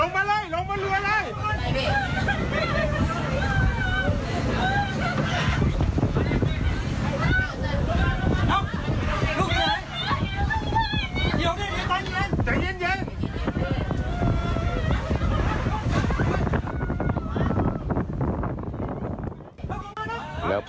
แล้วภาพก็เย็น